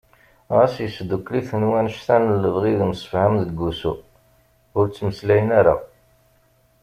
Ɣas yesdukel-iten wanect-a n lebɣi d umsefham deg wussu, ur ttmeslayen ara.